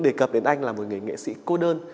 đề cập đến anh là một người nghệ sĩ cô đơn